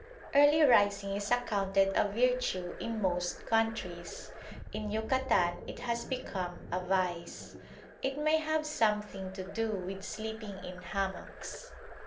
Early rising is accounted a virtue in most countries; in Yucatan it has become a vice. It may have something to do with sleeping in hammocks.